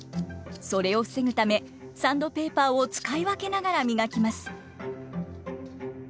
それを防ぐためサンドペーパーを使い分けながら磨きます。